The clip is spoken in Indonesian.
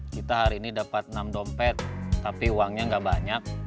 kita hari ini dapat enam dompet tapi uangnya nggak banyak